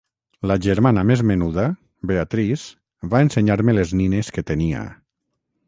La germana més menuda, Beatrice, va ensenyar-me les nines que tenia.